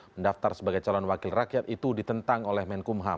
mendaftar sebagai calon wakil rakyat itu ditentang oleh menkumham